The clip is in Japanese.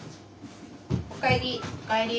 お帰り。